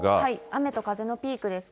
雨と風のピークです。